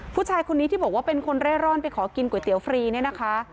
ผู้ชายคนนี้ที่บอกว่าเป็นคนเร่ร่อนไปขอกินก๋วยเตี๋ยวฟรีเนี่ยนะคะ